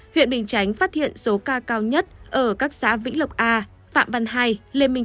huyện bình chánh phát hiện số ca cao nhất ở các xã vĩ lộc a phạm văn hai